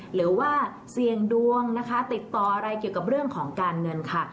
หรือว่าเสี่ยงดวงนะคะติดต่ออะไรเกี่ยวกับเรื่องของการเงินค่ะ